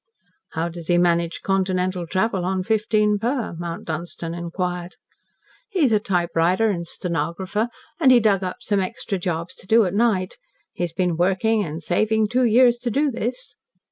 "How does he manage Continental travel on fifteen per?" Mount Dunstan inquired. "He's a typewriter and stenographer, and he dug up some extra jobs to do at night. He's been working and saving two years to do this.